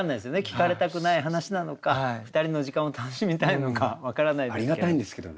聞かれたくない話なのか２人の時間を楽しみたいのか分からないですけど。